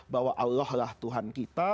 bahwa allah lah tuhan kita